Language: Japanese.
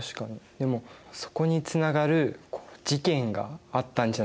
でもそこにつながる事件があったんじゃないかな？